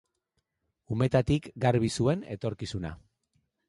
Umetatik garbi zuen etorkizuna.